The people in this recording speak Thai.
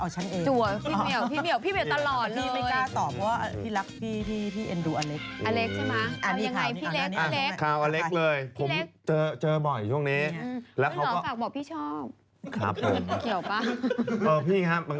จัวเขาไว้ใครจัวเขาไว้เอาฉันเอง